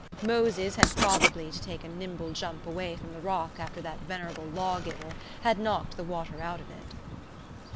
Moses had probably to take a nimble jump away from the rock after that venerable Law giver had knocked the water out of it.